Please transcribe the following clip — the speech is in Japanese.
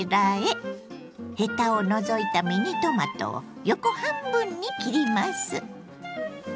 ヘタを除いたミニトマトを横半分に切ります。